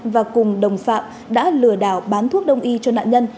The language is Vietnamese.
và cùng đồng phạm đã lừa đảo bán thuốc đông y cho nạn nhân